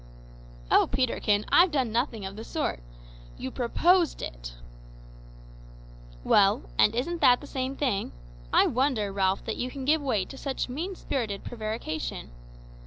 "O Peterkin, I've done nothing of the sort. You proposed it." "Well, and isn't that the same thing? I wonder, Ralph that you can give way to such mean spirited prevarication.